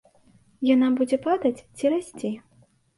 Яна будзе падаць ці расці?